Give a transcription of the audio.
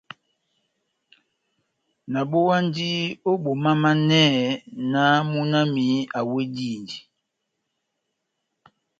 Nabowandi o bomamanɛhɛ nah muna wami awedindi.